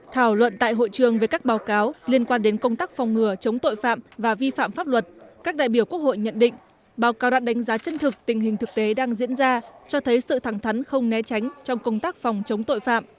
thảo luận tại hội trường về các báo cáo liên quan đến công tác phòng ngừa chống tội phạm và vi phạm pháp luật các đại biểu quốc hội nhận định báo cáo đạt đánh giá chân thực tình hình thực tế đang diễn ra cho thấy sự thẳng thắn không né tránh trong công tác phòng chống tội phạm